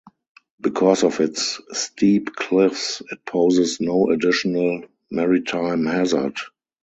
Because of its steep cliffs, it poses no additional maritime hazard.